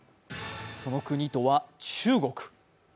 その国とは、中国。